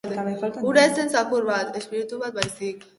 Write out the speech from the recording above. Hura ez zen zakur bat, espiritu bat baizik.